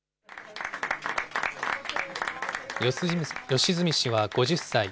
吉住氏は５０歳。